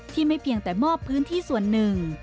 ไม่เพียงแต่มอบพื้นที่ส่วนหนึ่ง